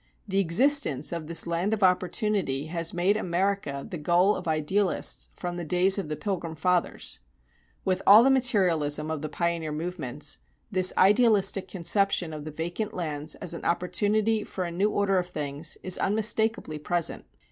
The existence of this land of opportunity has made America the goal of idealists from the days of the Pilgrim Fathers. With all the materialism of the pioneer movements, this idealistic conception of the vacant lands as an opportunity for a new order of things is unmistakably present.